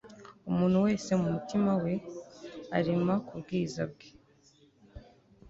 umuntu wese, mumutima we, arema kubwiza bwe